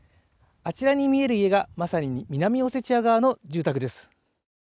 あちらに見える家が、まさに南オセチア側の住宅です。